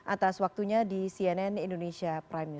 atas waktunya di cnn indonesia prime news